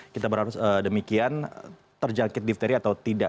kita berharap demikian terjangkit difteri atau tidak